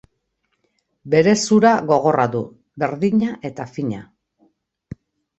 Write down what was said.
Bere zura gogorra du, berdina eta fina.